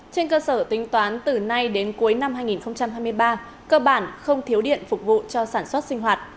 trên cơ sở tính toán từ nay đến cuối năm hai nghìn hai mươi ba cơ bản không thiếu điện phục vụ cho sản xuất sinh hoạt